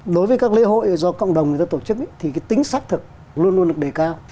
đối với các lễ hội do cộng đồng người ta tổ chức thì cái tính xác thực luôn luôn được đề cao